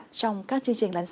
trong các chương trình lần sau